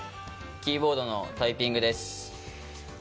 キーボードのタイピングです。